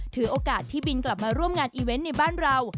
ถือโอกาสที่บินกลับมาร่วมงานอีเวนต์ในบ้านเรา